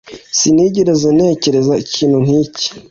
Sinigeze ntekereza ikintu nkiki